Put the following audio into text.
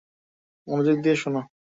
মনোযোগ দিয়ে শোন।